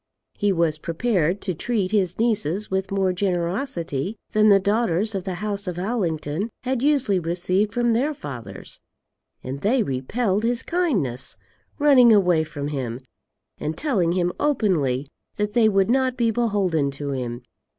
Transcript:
He was prepared to treat his nieces with more generosity than the daughters of the House of Allington had usually received from their fathers; and they repelled his kindness, running away from him, and telling him openly that they would not be beholden to him.